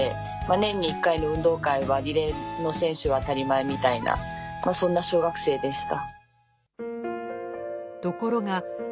年に１回の運動会はリレーの選手は当たり前みたいなそんな小学生でした。